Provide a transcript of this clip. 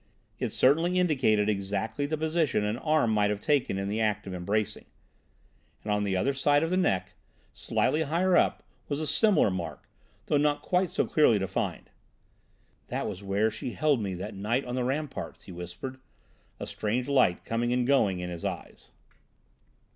It certainly indicated exactly the position an arm might have taken in the act of embracing. And on the other side of the neck, slightly higher up, was a similar mark, though not quite so clearly defined. "That was where she held me that night on the ramparts," he whispered, a strange light coming and going in his eyes.